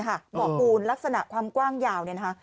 เหมาะปูนลักษณะความกว้างยาว